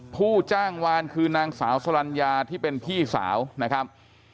ผู้จ้างวานคือนางสาวสลัญญาที่เป็นพี่สาวนะครับ